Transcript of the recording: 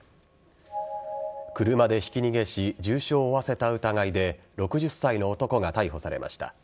車でひき逃げし重傷を負わせた疑いで６０歳の男が逮捕されました。